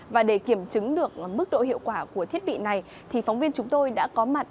và để kiểm chứng được mức độ hiệu quả của thiết bị này thì phóng viên chúng tôi đã có mặt